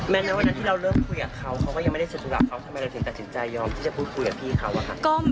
ในวันนั้นที่เราเริ่มคุยกับเขาเขาก็ยังไม่ได้เสร็จธุระเขาทำไมเราถึงตัดสินใจยอมที่จะพูดคุยกับพี่เขาอะค่ะ